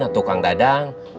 atau kang dadang